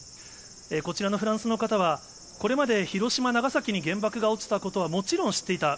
こちらのフランスの方は、これまで広島、長崎に原爆が落ちたことはもちろん知っていた。